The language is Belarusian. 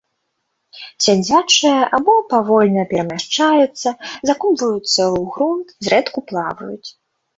Сядзячыя або павольна перамяшчаюцца, закопваюцца ў грунт, зрэдку плаваюць.